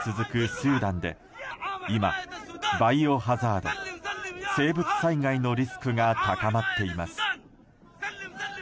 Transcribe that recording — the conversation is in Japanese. スーダンで今、バイオハザード・生物災害のリスクが高まっています。